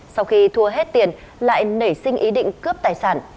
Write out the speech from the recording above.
sau khi thua hết tiền lại nảy sinh ý định cướp tài sản